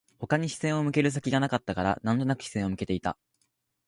他に視線を向ける先がなかったから、なんとなく視線を向けていた